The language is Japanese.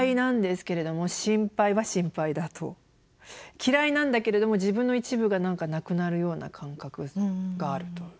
嫌いなんだけれども自分の一部が何かなくなるような感覚があると。